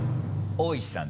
大石さんで。